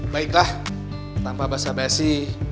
baiklah tanpa basa basi